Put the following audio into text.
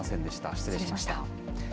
失礼しました。